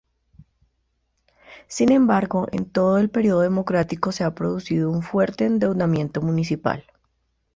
Sin embargo en todo el periodo democrático se ha producido un fuerte endeudamiento municipal.